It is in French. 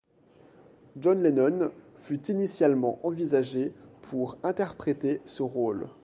John Lennon fut initialement envisagé pour interpréter ce rôle.